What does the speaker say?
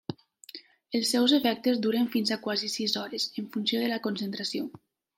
Els seus efectes duren fins a quasi sis hores, en funció de la concentració.